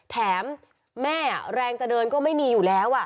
แถมแม่แรงจะเดินก็ไม่มีอยู่แล้ว